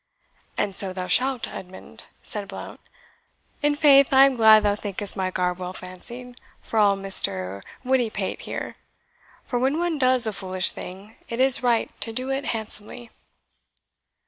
"And so thou shalt, Edmund," said Blount. "In faith I am glad thou thinkest my garb well fancied, for all Mr. Wittypate here; for when one does a foolish thing, it is right to do it handsomely."